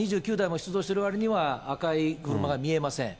だから２９台も出動しているわりには、赤い車が見えません。